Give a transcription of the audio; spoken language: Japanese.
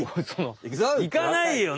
いかないよ！